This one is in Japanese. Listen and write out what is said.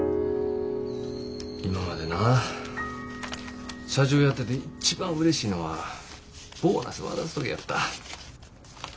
今までな社長やってていっちばんうれしいのはボーナス渡す時やった。